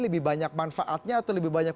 lebih banyak manfaatnya atau lebih banyak